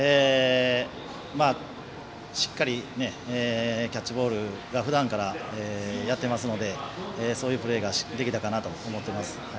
しっかりとキャッチボール、ふだんからやってますのでそういうプレーできたかなと思います。